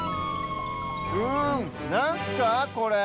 うんなんすかこれ？